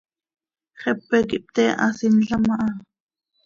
Xepe quih pte hasinlam aha.